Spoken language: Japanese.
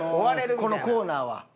このコーナーは。